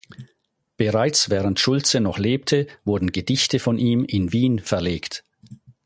Bereits während Schulze noch lebte, wurden Gedichte von ihm in Wien verlegt.